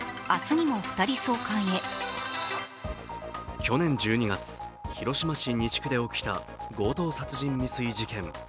去年１２月、広島市西区で起きた強盗殺人未遂事件。